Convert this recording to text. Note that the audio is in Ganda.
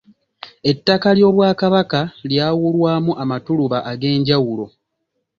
Ettaka ly'Obwakabaka lyawulwamu amatuluba ag'enjawulo.